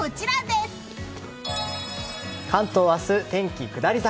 関東は明日、天気下り坂。